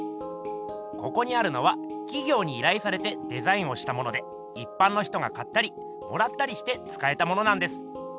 ここにあるのはきぎょうにいらいされてデザインをしたものでいっぱんの人が買ったりもらったりしてつかえたものなんです。